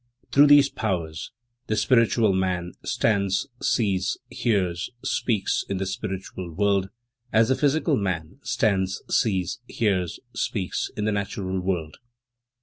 Through these powers, the spiritual man stands, sees, hears, speaks, in the spiritual world, as the physical man stands, sees, hears, speaks in the natural world.